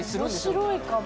面白いかも。